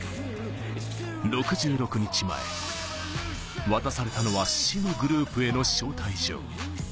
６６日前、渡されたのは、死のグループへの招待状。